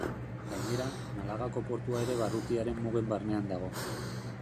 Gainera, Malagako portua ere barrutiaren mugen barnean dago.